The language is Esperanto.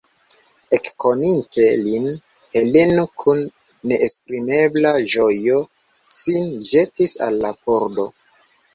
Ekkoninte lin, Heleno kun neesprimebla ĝojo sin ĵetis al la pordo.